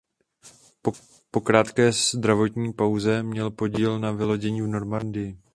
Po krátké zdravotní pauze měl podíl na vylodění v Normandii.